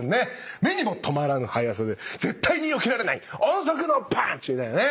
目にも留まらぬ速さで絶対によけられない音速のパンチ！みたいなね。